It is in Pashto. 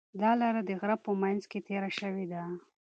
دا لاره د غره په منځ کې تېره شوې ده.